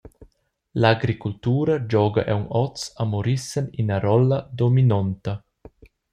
L’agricultura gioga aunc oz a Morissen ina rolla dominonta.